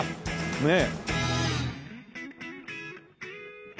ねえ。